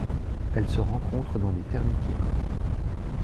Elles se rencontrent dans les termitières.